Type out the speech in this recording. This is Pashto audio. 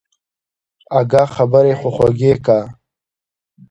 اگه خبرې خو خوږې که.